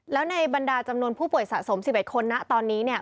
แล้วในบรรดาจำนวนผู้ป่วยสะสม๑๑คนนะตอนนี้เนี่ย